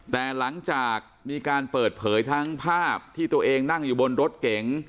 แต่หลังจากมีการเปิดเผยทั้งภาพที่ตัวเองนั่งอยู่บนรถเก๋ง